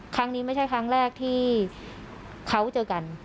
ครั้งนี้ไม่ใช่ครั้งแรกที่เขาเจอกัน